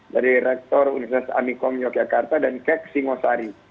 dari rektor universitas amikong yogyakarta dan kek singosari